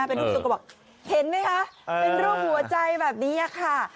เห็นไหมคะเป็นรูปหัวใจแบบนี้ค่ะ